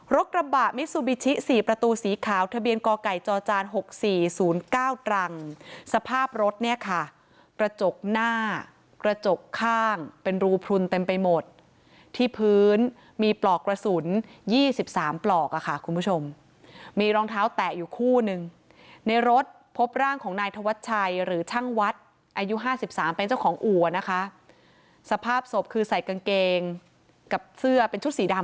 กระบะมิซูบิชิ๔ประตูสีขาวทะเบียนกไก่จอจาน๖๔๐๙ตรังสภาพรถเนี่ยค่ะกระจกหน้ากระจกข้างเป็นรูพลุนเต็มไปหมดที่พื้นมีปลอกกระสุน๒๓ปลอกอะค่ะคุณผู้ชมมีรองเท้าแตะอยู่คู่หนึ่งในรถพบร่างของนายธวัชชัยหรือช่างวัดอายุห้าสิบสามเป็นเจ้าของอู่อ่ะนะคะสภาพศพคือใส่กางเกงกับเสื้อเป็นชุดสีดำ